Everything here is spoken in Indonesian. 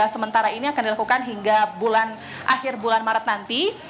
sementara ini akan dilakukan hingga akhir bulan maret nanti